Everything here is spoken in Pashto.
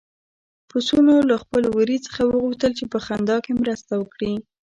پسونو له خپل وري څخه وغوښتل چې په خندا کې مرسته وکړي.